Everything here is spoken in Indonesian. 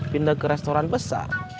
pindah ke restoran besar